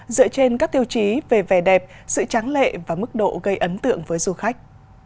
dựa trên các tiêu chí về vẻ đẹp sự tráng lệ và mức độ gây ấn tượng với du khách